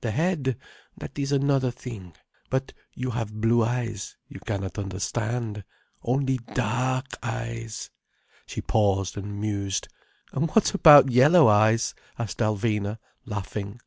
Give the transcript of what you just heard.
The head—that is another thing. But you have blue eyes, you cannot understand. Only dark eyes—" She paused and mused. "And what about yellow eyes?" asked Alvina, laughing.